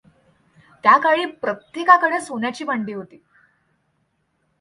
त्या काळी प्रत्येकाकडे सोन्याची भांडी होती.